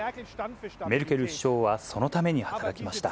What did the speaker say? メルケル首相はそのために働きました。